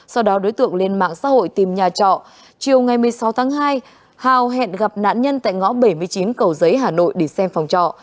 sau đó đối tượng lên mạng xã hội tìm nhà trọ chiều ngày một mươi sáu tháng hai hào hẹn gặp nạn nhân tại ngõ bảy mươi chín cầu giấy hà nội để xem phòng trọ